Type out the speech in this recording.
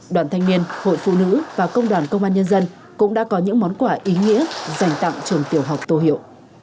đoàn thanh niên hội phụ nữ và công đoàn công an nhân dân cũng đã có những món quà ý nghĩa dành tặng trường tiểu học tô hiệu